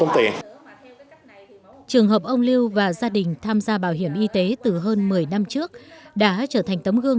trường hợp ông lưu và gia đình tham gia bảo hiểm y tế từ hơn một mươi năm trước đã trở thành tấm gương